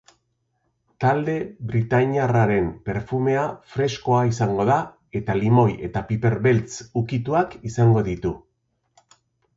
Talde britainiarraren perfumea freskoa izango da eta limoi eta piperbeltz ukituak izango ditu.